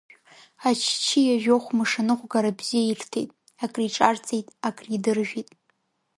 Аччиа жәохә мыш аныҟәгара бзиа ирҭеит, акриҿарҵеит, акридыржәит.